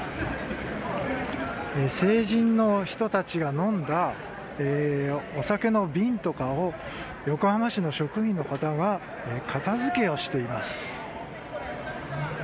成人の人たちが飲んだお酒の瓶とかを横浜市の職員の方が片付けをしています。